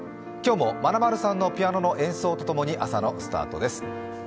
今日もまなまるさんのピアノ演奏とともに朝のスタートです。